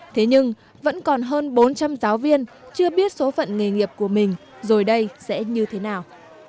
thế nhưng vẫn còn hơn bốn trăm linh giáo viên chưa biết số phận nghề nghiệp của mình rồi đây sẽ như thế nào